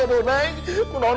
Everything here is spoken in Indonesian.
aduh aduh aduh